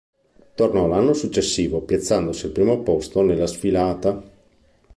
Tornò l'anno successivo, piazzandosi al primo posto nella Sfilata.